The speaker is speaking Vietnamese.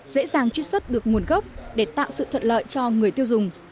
dễ dàng truy xuất được nguồn gốc để tạo sự thuận lợi cho người tiêu dùng